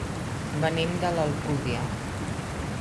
Venim de l'Alcúdia.